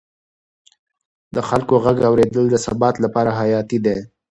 د خلکو غږ اورېدل د ثبات لپاره حیاتي دی